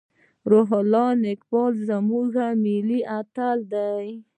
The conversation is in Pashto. روح الله نیکپا زموږ ملي اتل دی.